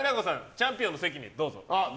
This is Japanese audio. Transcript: チャンピオンの席にどうぞ。